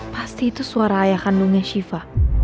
pasti itu suara ayah kandungnya shiva